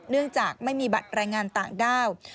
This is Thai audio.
เนื่องจากไม่มีบัตรแรงงานต่างด้าว